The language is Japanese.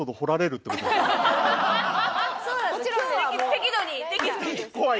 適度に適度に。